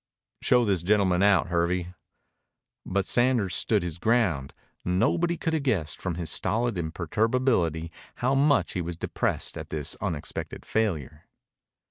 "Show this gentleman out, Hervey." But Sanders stood his ground. Nobody could have guessed from his stolid imperturbability how much he was depressed at this unexpected failure.